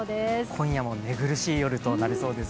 今夜も寝苦しい夜となりそうです。